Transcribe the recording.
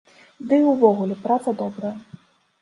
Ды і ўвогуле, праца добрая.